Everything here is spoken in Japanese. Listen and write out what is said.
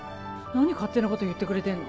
何勝手なこと言ってくれてんの？